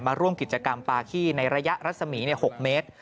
ร่วมกิจกรรมปาขี้ในระยะรัศมี๖เมตร